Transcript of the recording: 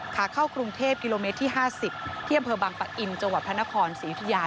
ขาเข้ากรุงเทพฯกิโลเมตรที่ห้าสิบเที่ยวเผอร์บังปะอินจังหวัดพระนครศรีวิทยา